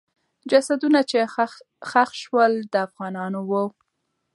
جسدونه چې ښخ سول، د افغانانو وو.